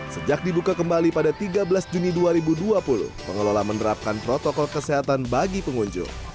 sejak dibuka kembali pada tiga belas juni dua ribu dua puluh pengelola menerapkan protokol kesehatan bagi pengunjung